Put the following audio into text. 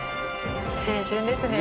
「青春ですね！」